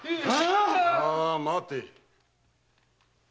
まあ待て。